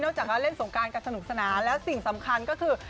จากว่าเล่นสงการกันสนุกสนานแล้วสิ่งสำคัญก็คือ